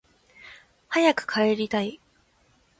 早く帰りたい